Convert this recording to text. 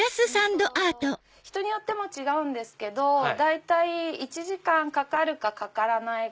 人によっても違うんですけど大体１時間かかるかかからない。